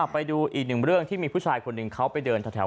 ไปดูอีกหนึ่งเรื่องที่มีผู้ชายคนหนึ่งเขาไปเดินแถว